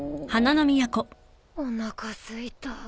おなかすいた。